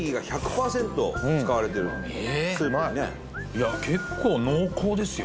土屋：結構、濃厚ですよ